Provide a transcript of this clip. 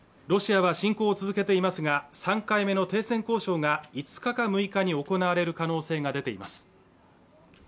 ロシアは侵攻を続けていますが３回目の停戦交渉が５日か６日に行われる可能性が出ています